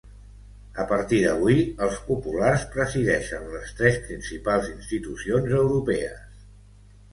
A partir d’avui, els populars presideixen les tres principals institucions europees.